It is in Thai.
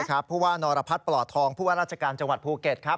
ใช่ครับผู้ว่านรพัทปลอดธองราชการจังหวัดภูเก็ตครับ